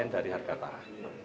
dari harga taha